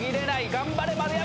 頑張れ丸山。